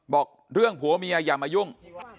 บอกเรื่องผัวเมียอย่ามายุ่ง